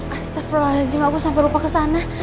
astaga aku sampai lupa kesana